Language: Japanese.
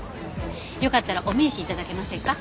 よかったらお名刺頂けませんか？